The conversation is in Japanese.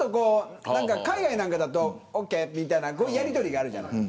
海外なんかだとオーケーみたいなやりとりがある。